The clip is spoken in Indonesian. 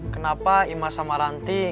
kenapa imas sama rantik